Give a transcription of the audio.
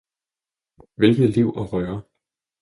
Hvilket liv og røre!